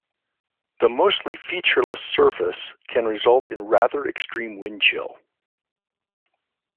The mostly featureless surface can result in rather extreme wind chill.